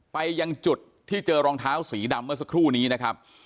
ไปยังจุดที่เจอรองเท้าสีดำเมื่อสักครู่นี้นะครับ